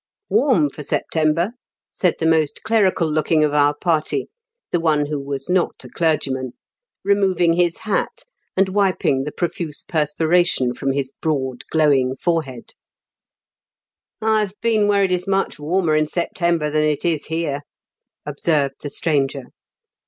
"Warm for September," said the most KENT AND BERMUDA 123 clerical looking of our party (the one who was not a clergyman), removing his hat, and wiping the profuse perspiration from his broad J gkwing for«b«^ " I have been where it is much warmer in September than it is here," observed the stranger.